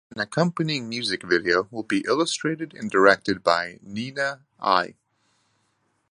An accompanying music video will be illustrated and directed by Niina Ai.